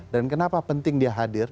kenapa penting dia hadir